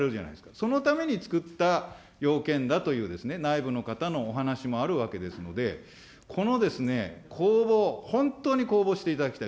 そのために作った要件だという、内部の方のお話もあるわけですので、この公募、本当に公募していただきたい。